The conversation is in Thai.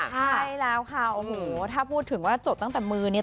ใช่แล้วค่ะโอ้โหถ้าพูดถึงว่าจดตั้งแต่มือนี้